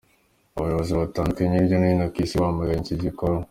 Abayobozi batandandukanye hirya no hino ku Isi bamaganye icyo gikorwa.